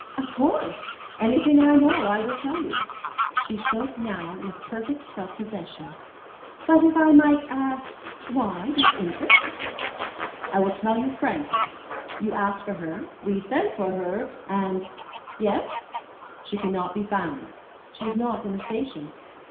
"Of course. Anything I know I will tell you." She spoke now with perfect self possession. "But if I might ask why this interest?" "I will tell you frankly. You asked for her, we sent for her, and " "Yes?" "She cannot be found. She is not in the station."